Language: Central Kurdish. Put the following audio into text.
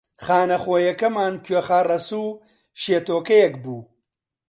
خانەخوێکەمان کوێخا ڕەسوو شێتۆکەیەک بوو